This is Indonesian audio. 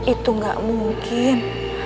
itu gak mungkin